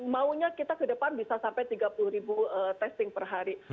maunya kita ke depan bisa sampai tiga puluh ribu testing per hari